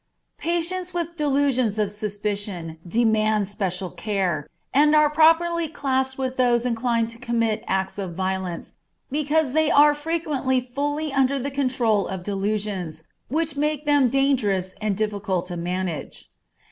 Patients with Delusions of Suspicion demand special care, and are properly classed with those inclined to commit acts of violence, because they are frequently fully under the control of delusions, which make them dangerous and difficult to manage.